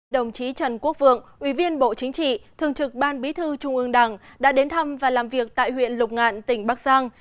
đồng chí trần quốc vượng ủy viên bộ chính trị thường trực ban bí thư trung ương đảng đã đến thăm và làm việc tại huyện lục ngạn tỉnh bắc giang